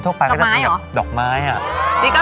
พี่อายกับพี่อ๋อมไม่ได้ครับ